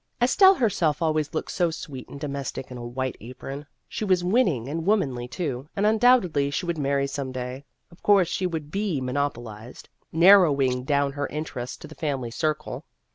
Estelle herself always looked so sweet and domestic in a white apron ; she was winning and womanly, too, and undoubtedly she would marry some day. Of course, then she would be mo nopolized, narrowing down her interests to the family circle.